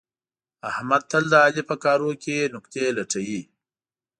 احمد تل د علي په کارونو کې نکتې لټوي.